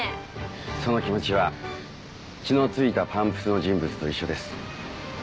その気持ちは血の付いたパンプスの人物と一緒です。